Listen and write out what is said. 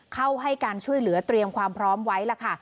เข้าให้การช่วยเหลือเตรียมความพร้อมไว้ล่ะค่ะ